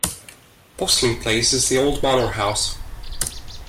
Postling Place is the old manor house.